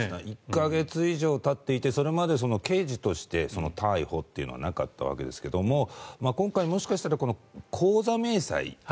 １か月以上たっていてそれまで刑事として逮捕というのはなかったわけですが今回、もしかしたら口座明細